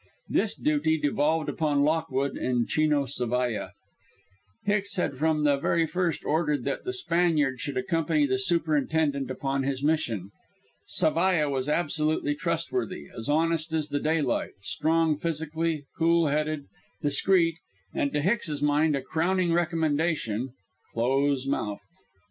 This duty devolved upon Lockwood and Chino Zavalla. Hicks had from the very first ordered that the Spaniard should accompany the superintendent upon this mission. Zavalla was absolutely trustworthy, as honest as the daylight, strong physically, cool headed, discreet, and to Hicks's mind a crowning recommendation close mouthed.